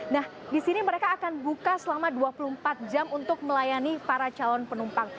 nah di sini mereka akan buka selama dua puluh empat jam untuk melayani para calon penumpang